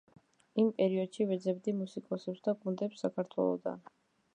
იმ პერიოდში ვეძებდი მუსიკოსებს და გუნდებს საქართველოდან.